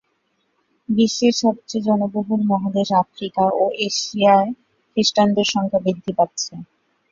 বিশ্বের সবচেয়ে জনবহুল মহাদেশ আফ্রিকা ও এশিয়ায় খ্রিস্টানদের সংখ্যা বৃদ্ধি পাচ্ছে।